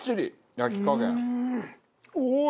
焼き加減。